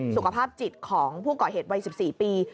สุขภาพจิตของผู้ก่อเหตุวัย๑๔ปี